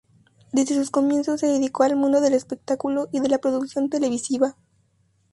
Desde sus comienzos se dedicó al mundo del espectáculo y de la producción televisiva.